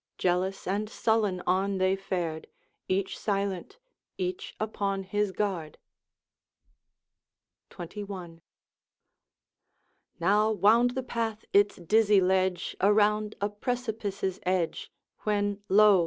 Jealous and sullen on they fared, Each silent, each upon his guard. XXI. Now wound the path its dizzy ledge Around a precipice's edge, When lo!